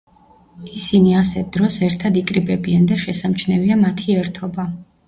ისინი ასეთ დროს ერთად იკრიბებიან და შესამჩნევია მათი ერთობა.